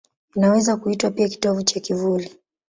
Inaweza kuitwa pia kitovu cha kivuli.